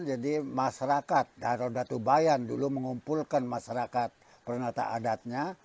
jadi masyarakat darul datu bayan dulu mengumpulkan masyarakat pernata adatnya